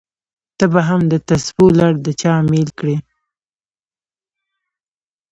ته به هم دتسبو لړ د چا امېل کړې!